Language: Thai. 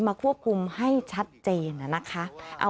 ควบคุมให้ชัดเจนนะคะ